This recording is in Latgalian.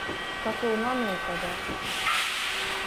Ka tū nanūkavēt.